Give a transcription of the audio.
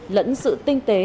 lẫn sự tinh tế